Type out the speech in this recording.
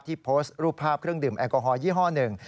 โพสต์รูปภาพเครื่องดื่มแอลกอฮอลยี่ห้อหนึ่ง